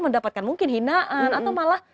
mendapatkan mungkin hinaan atau malah